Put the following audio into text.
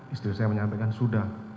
istri saya menyampaikan sudah